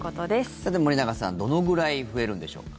さて、森永さんどのぐらい増えるんでしょうか。